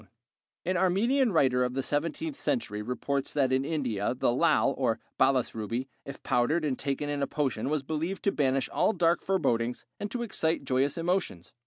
] An Armenian writer of the seventeenth century reports that in India the lâl or balas ruby, if powdered and taken in a potion was believed to banish all dark forebodings and to excite joyous emotions.